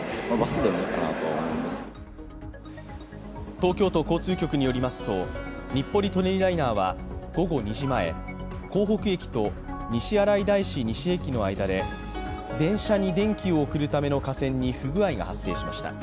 東京都交通局によりますと、日暮里・舎人ライナーは午後２時前、江北駅と西新井大師西駅の間で電車に電気を送るための架線に不具合が発生しました。